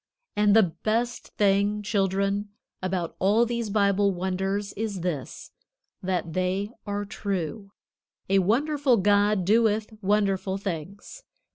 And the best thing, children, about all these Bible wonders, is this, that they are true. A wonderful God doeth wonderful things.